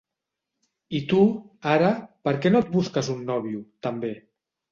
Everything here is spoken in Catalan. I tu, ara, per què no et busques un nòvio, també?